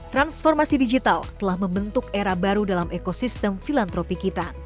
transformasi digital telah membentuk era baru dalam ekosistem filantropi kita